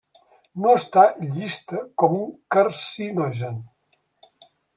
No està llista com un carcinogen.